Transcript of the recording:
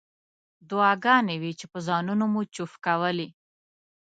دعاګانې وې چې په ځانونو مو چوف کولې.